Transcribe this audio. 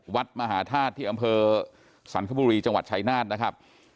วัดมหาธาตุที่อำเภอสรรคบุรีจังหวัดชายนาฏนะครับ